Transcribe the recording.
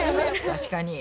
確かに。